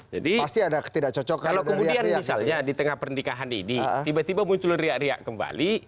jadi kalau kemudian misalnya di tengah pernikahan ini tiba tiba muncul riak riak kembali